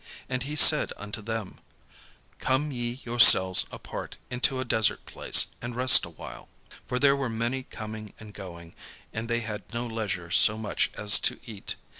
And he said unto them: "Come ye yourselves apart into a desert place, and rest awhile." For there were many coming and going, and they had no leisure so much as to eat.